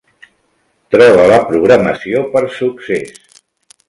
Troba la programació per Success.